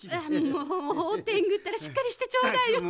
もうオテングったらしっかりしてちょうだいよ。